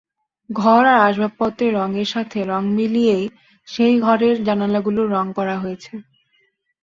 ঘর আর আসবাবপত্রের রঙের সাথে রঙ মিলিয়ে সেই ঘরের জানালাগুলোর রঙ করা হয়েছে।